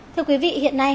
thưa quý vị hiện nay